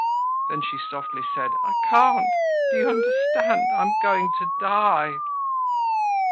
Then she softly said, "I can't—do you understand? I'm going to die."